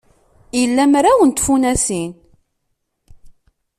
Ila mraw n tfunasin.